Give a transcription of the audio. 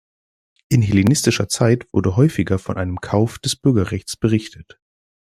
In hellenistischer Zeit wurde häufiger von einem Kauf des Bürgerrechts berichtet.